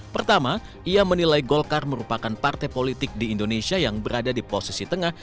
pertama ia menilai golkar merupakan partai politik di indonesia yang berada di posisi tengah